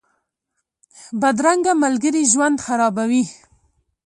بدرنګه ملګري ژوند خرابوي